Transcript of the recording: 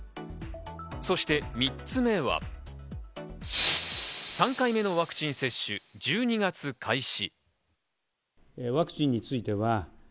そして３つ目は、３回目のワクチン接種、１２月開始。